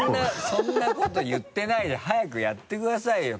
そんなこと言ってないで早くやってくださいよ！